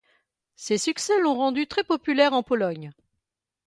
Ses succès l'ont rendu très populaire en Pologne.